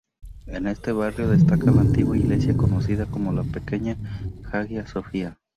En este barrio destaca la antigua iglesia conocida como la pequeña Hagia Sofia.